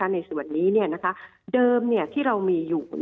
ในส่วนนี้เดิมที่เรามีอยู่